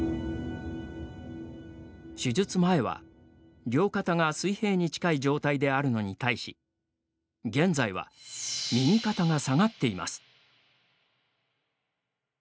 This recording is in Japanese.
手術前は、両肩が水平に近い状態であるのに対し現在は右肩が下がっています。